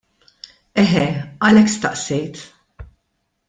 Eħe, għalhekk staqsejt.